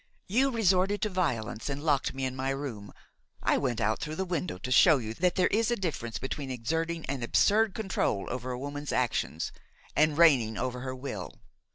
You resorted to violence and locked me in my room; I went out through the window to show you that there is a difference between exerting an absurd control over a woman's actions and reigning over her will.